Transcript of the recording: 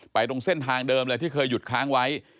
ตรงเส้นทางเดิมเลยที่เคยหยุดค้างไว้